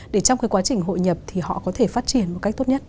để trong cái quá trình hội nhập thì họ có thể phát triển một cách tốt nhất